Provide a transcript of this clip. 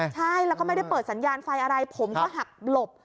ใช่แล้วก็ไม่ได้เปิดสัญญาณไฟอะไรผมก็หักหลบ